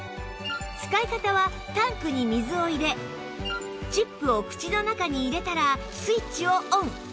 使い方はタンクに水を入れチップを口の中に入れたらスイッチをオン